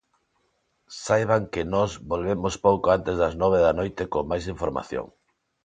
Saiban que nós volvemos pouco antes das nove da noite con máis información.